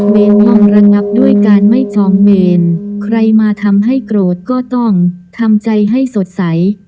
เนรต้องระงับด้วยการไม่จองเมนใครมาทำให้โกรธก็ต้องทำใจให้สดใส